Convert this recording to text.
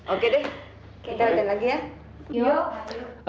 oke deh kita latihan lagi ya yuk